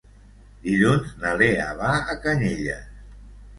Dilluns na Lea va a Canyelles.